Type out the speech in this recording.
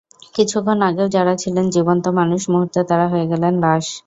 কিছুক্ষণ আগেও যাঁরা ছিলেন জীবন্ত মানুষ, মুহূর্তে তাঁরা হয়ে গেলেন লাশ।